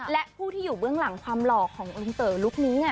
และผู้ที่อยู่เบื้องหลังความหล่อของลุงเต๋อลุคนี้